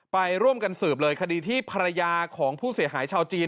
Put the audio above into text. ไปร่วมกันสืบเลยคดีที่ภรรยาของผู้เสียหายชาวจีน